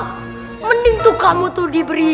mending tuh kamu tuh diberi